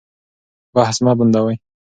بحث مه بندوئ.